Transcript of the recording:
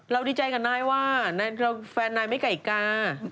ดีใจกับนายว่าแฟนนายไม่ไก่กา